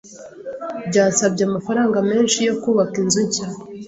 Byansabye amafaranga menshi yo kubaka inzu nshya.